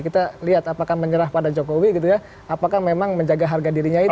kita lihat apakah menyerah pada jokowi gitu ya apakah memang menjaga harga dirinya itu